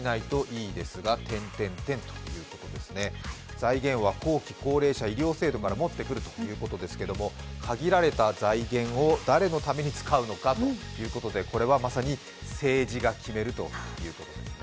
財源は後期高齢者医療制度から持ってくるということですが限られた財源を誰のために使うのかということでこれはまさに政治が決めるということですね。